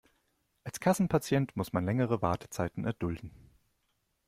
Als Kassenpatient muss man längere Wartezeiten erdulden.